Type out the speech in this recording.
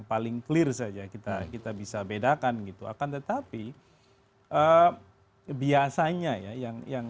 paling clear saja kita kita bisa bedakan gitu akan tetapi biasanya ya yang yang